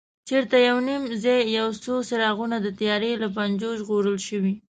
چېرته یو نیم ځای یو څو څراغونه د تیارې له پنجو ژغورل شوي.